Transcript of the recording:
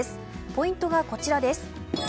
ポイントがこちらです。